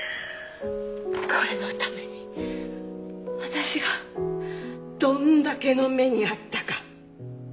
これのために私がどんだけの目に遭ったか。